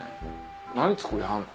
何作りはるの？